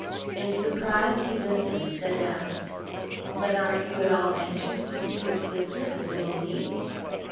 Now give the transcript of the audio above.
In surprise he listened, then asked, "But aren't you at all anxious to see your sister and little niece?"